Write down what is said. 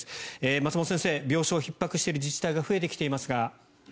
松本先生、病床ひっ迫している自治体が増えてきていますが。